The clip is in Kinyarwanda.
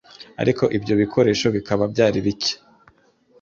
ariko ibyo bikoresho bikaba byari bike.